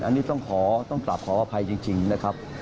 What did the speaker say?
อันนี้ต้องขอต้องกลับขออภัยจริงนะครับ